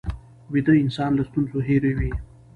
ویده انسان له ستونزو هېر وي